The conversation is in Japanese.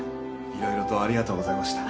色々とありがとうございました。